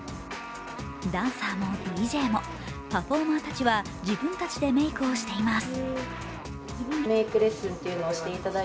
ダンサーもＤＪも、パフォーマーたちは自分たちでメークをしています。